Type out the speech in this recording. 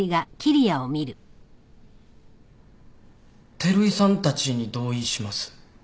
照井さんたちに同意します。